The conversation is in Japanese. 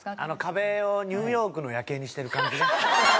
壁をニューヨークの夜景にしてる感じね。